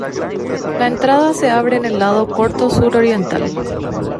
La entrada se abre en el lado corto suroriental.